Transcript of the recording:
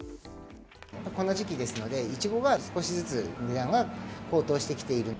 この時期ですので、イチゴが少しずつ値段が高騰してきている。